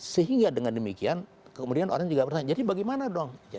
sehingga dengan demikian kemudian orang juga bertanya jadi bagaimana dong